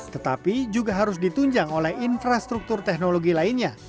tetapi juga harus ditunjang oleh infrastruktur teknologi lainnya